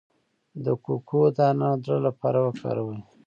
د کوکو دانه د زړه لپاره وکاروئ